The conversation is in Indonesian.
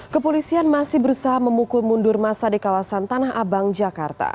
kepolisian masih berusaha memukul mundur masa di kawasan tanah abang jakarta